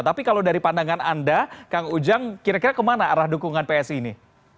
tapi kalau dari pandangan anda kang ujang kira kira kemana arah dukungan psi ini